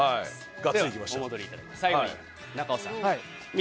では最後に中尾さん。